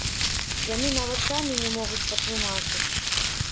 Яны нават самі не могуць патлумачыць.